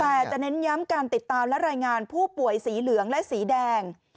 แต่จะเน้นย้ำการติดตามและรายงานผู้ป่วยสีเหลืองและสีแดง